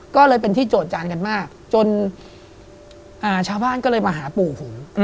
ก็เลยเป็นที่โจทจานกันมากจนชาวบ้านก็เลยมาหาปู่ผม